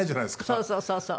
そうそうそうそう。